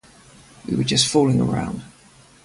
We were just fooling around.